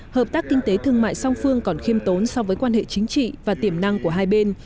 hợp tác kinh tế thương mại song phương còn khiêm tốn so với quan hệ chính trị và tiềm năng của hai bên